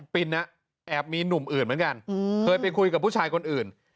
ปินแอบมีหนุ่มอื่นเหมือนกันเคยไปคุยกับผู้ชายคนอื่น